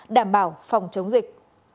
đảm bảo phòng chống dịch